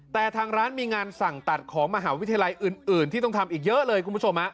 แต่ทางร้านมีงานสั่งตัดของมหาวิทยาลัยอื่นที่ต้องทำอีกเยอะเลยคุณผู้ชม